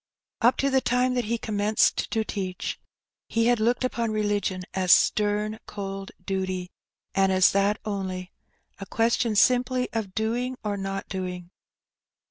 Up to the time that he commenced to teach, he had looked upon religion as stem, cold duty, and as that only; a question simply of doing or not doing.